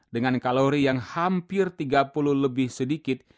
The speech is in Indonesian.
dengan kalori yang hampir tiga puluh lebih sedikit